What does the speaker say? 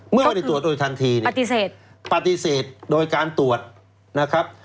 เมื่อไม่ได้ตรวจโดยทันทีเนี่ยปฏิเสธปฏิเสธโดยการตรวจนะครับ